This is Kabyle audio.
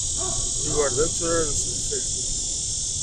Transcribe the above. Igerdan tturaren s udfel.